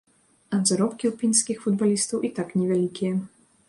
А заробкі ў пінскіх футбалістаў і так невялікія.